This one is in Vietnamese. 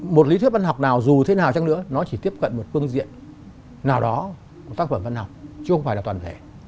một lý thuyết văn học nào dù thế nào chăng nữa nó chỉ tiếp cận một phương diện nào đó của tác phẩm văn học chứ không phải là toàn thể